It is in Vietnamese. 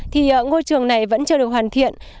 thì ngôi trường này vẫn chưa được hoàn thiện